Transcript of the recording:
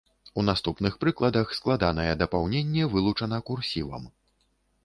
У наступных прыкладах складанае дапаўненне вылучана курсівам.